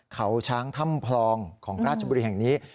เขาช้างถ้ำพลองของราชบุรีแห่งนี้